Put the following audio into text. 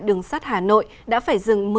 đường sắt hà nội đã phải dừng